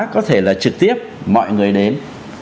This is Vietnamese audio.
có thể là trực tiếp mọi người đến